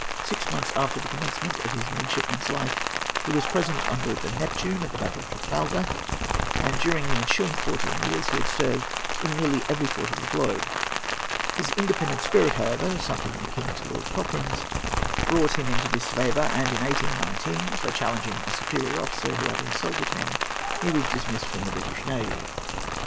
Six months after the commencement of his midshipman's life he was present, on board the Neptune, at the battle of Trafalgar, and during the ensuing fourteen years he served in nearly every quarter of the globe. His independent spirit, however—something akin to Lord Cochrane's—brought him into disfavour, and, in 1819, for challenging a superior officer who had insulted him, he was dismissed from the British navy.